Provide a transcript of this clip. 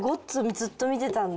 ずっと見てたんで。